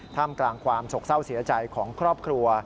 ท่ามกลางความสกเศร้าเสียใจของครอบครัว